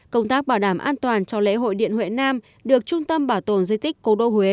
công tác bảo đảm an toàn cho lễ hội điện huệ nam được trung tâm bảo tồn di tích cố đô huế